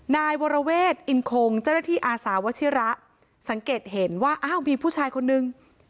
นายวรเวทอินคงเจ้าหน้าที่อาสาวชิระสังเกตเห็นว่าอ้าวมีผู้ชายคนนึง